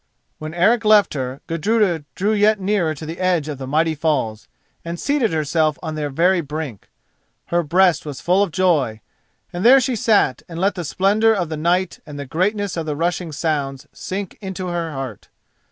When Eric left her, Gudruda drew yet nearer to the edge of the mighty falls, and seated herself on their very brink. Her breast was full of joy, and there she sat and let the splendour of the night and the greatness of the rushing sounds sink into her heart.